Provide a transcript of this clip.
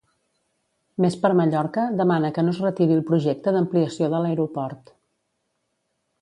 Més per Mallorca demana que no es retiri el projecte d'ampliació de l'aeroport.